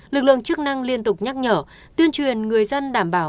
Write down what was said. lực lượng chức năng liên tục nhắc nhở tuyên truyền người dân đảm bảo